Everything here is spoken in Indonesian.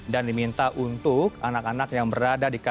dan diminta untuk anak anak yang berada di sekolah